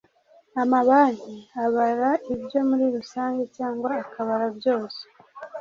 amabanki abara ibyo muri rusange cyangwa akabara byose